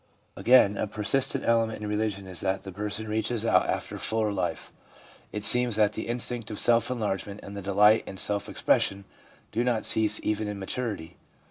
Again, a persistent element in religion is that the person reaches out after fuller life. It seems that the instinct of self enlargement and the delight in self expression do not cease even in maturity.